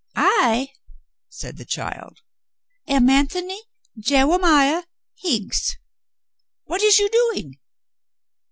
"I," said the child, "am Antony Jewe miah Higgs. What is you doing?"